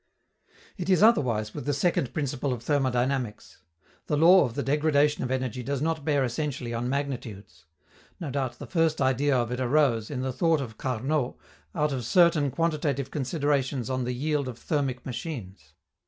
It is otherwise with the second principle of thermodynamics. The law of the degradation of energy does not bear essentially on magnitudes. No doubt the first idea of it arose, in the thought of Carnot, out of certain quantitative considerations on the yield of thermic machines.